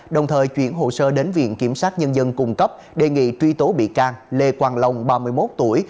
đồng thời chuyển hồ sơ đến viện kiểm sát nhân dân cung cấp đề nghị truy tố bị can lê quang long ba mươi một tuổi